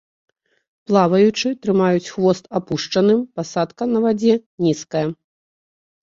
Плаваючы, трымаюць хвост апушчаным, пасадка на вадзе нізкая.